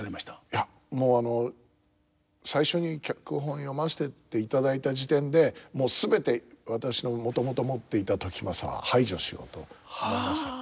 いやもう最初に脚本を読ませていただいた時点でもう全て私のもともと持っていた時政は排除しようと思いました。